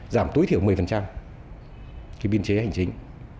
giảm tối thiểu một mươi cái biên chế hành chính